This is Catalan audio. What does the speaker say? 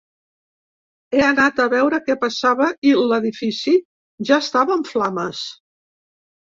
He anat a veure què passava i l’edifici ja estava en flames.